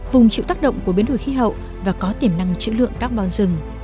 vùng chịu tác động của biến đổi khí hậu và có tiềm năng chữ lượng carbon rừng